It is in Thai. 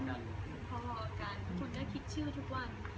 แล้วก็คิดว่าแบบ